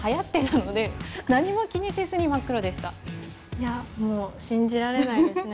いやもう信じられないですね